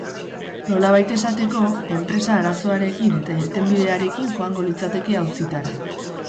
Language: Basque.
Nolabait esateko, enpresa arazoarekin eta irtenbidearekin joango litzateke auzitara.